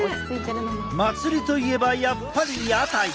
祭りといえばやっぱり屋台。